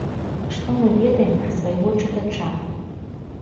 Што мы ведаем пра свайго чытача?